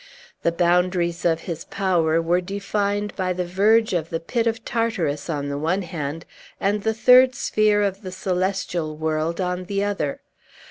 The boundaries of his power were defined by the verge of the pit of Tartarus on the one hand, and the third sphere of the celestial world on the other.